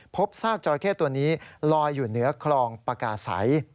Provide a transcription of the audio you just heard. พบซากจราเข้ตัวนี้ลอยอยู่เหนือคลองปากาศัย